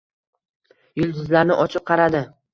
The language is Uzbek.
Yuzlarni ochib qaradi.